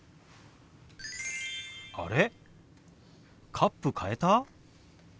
カップ変えた？